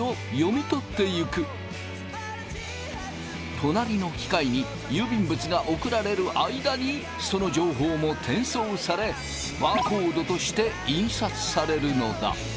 隣の機械に郵便物が送られる間にその情報も転送されバーコードとして印刷されるのだ。